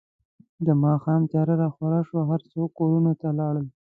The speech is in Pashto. د ماښام تیاره راخوره شوه، هر څوک کورونو ته لاړل.